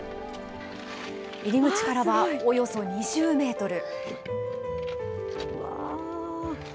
入口からはおよそ２０メートル。